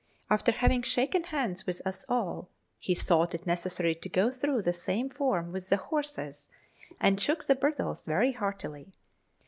After having shaken hands with us all, he thought it necessary to go through the same form with the horses, and shook the bridles very heartily.